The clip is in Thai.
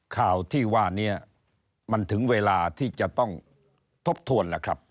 ข่าวที่ว่านี้มันถึงเวลาที่จะต้องทบทวนแล้วครับ